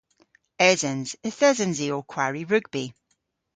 Esens. Yth esens i ow kwari rugbi.